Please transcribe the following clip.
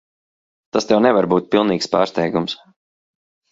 Tas tev nevar būt pilnīgs pārsteigums.